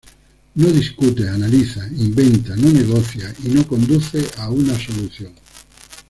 No discute, analiza, inventa, no negocia, y no conduce a una solución.